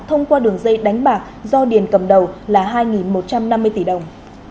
thông qua đường dây đánh bạc do điền cầm đầu là hai một trăm năm mươi tỷ đồng